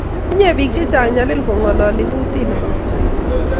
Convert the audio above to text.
Tenye biik che chang nyalil kong'ololi kotee ne bo Kiswahili.